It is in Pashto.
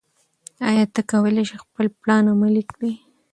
ایا ته کولای شې خپل پلان عملي کړې؟